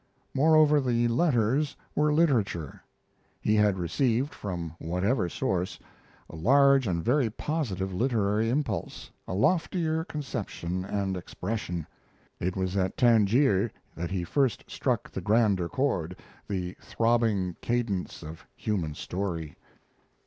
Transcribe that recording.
Moreover, the letters were literature. He had received, from whatever source, a large and very positive literary impulse, a loftier conception and expression. It was at Tangier that he first struck the grander chord, the throbbing cadence of human story.